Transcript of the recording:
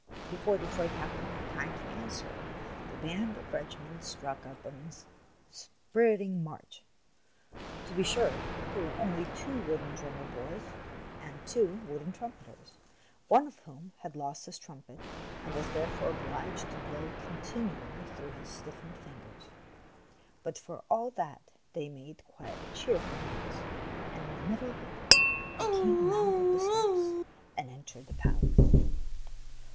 Before the toy captain had time to answer, the band of the regiment struck up an inspirit ing march. To be sure, there were only two wooden drummer boys and two wooden trum peters, of whom one had lost his trumpet and was therefore obliged to blow continually through his stiffened fingers ; but for all that they made quite a cheerful noise, and in the middle of it the King mounted the steps and entered the palace.